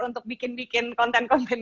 untuk bikin bikin konten konten